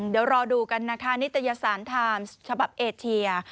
เดี๋ยวรอดูกันนะคะนิตยสารไทม์ฉบับเอเชีย